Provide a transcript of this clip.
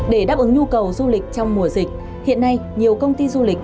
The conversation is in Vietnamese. để đáp ứng nhu cầu du lịch trong mùa dịch hiện nay nhiều công ty du lịch